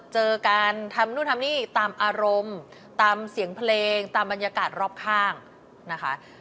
เจอการทำนู่นทำนี่ตามอารมณ์ตามเสียงเพลงตามบรรยากาศรอบข้างนะคะ